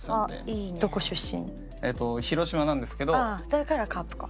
だからカープか。